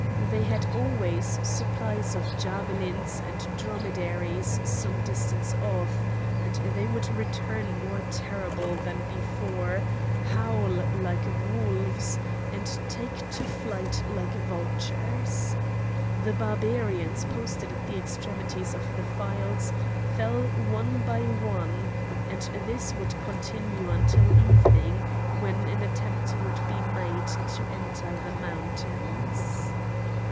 They had always supplies of javelins and dromedaries some distance off, and they would return more terrible than before, howl like wolves, and take to flight like vultures. The Barbarians posted at the extremities of the files fell one by one; and this would continue until evening, when an attempt would be made to enter the mountains.